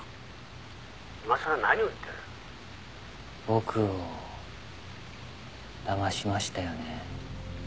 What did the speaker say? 僕をだましましたよね？